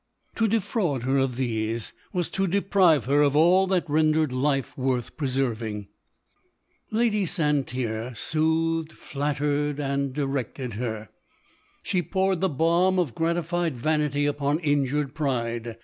To defraud her of these, was to deprive her of all that rendered life worth preserving. LODORE. 203 Lady Santerre soothed, flattered, and direct ed her. She poured the balm of gratified vanity upon injured pride.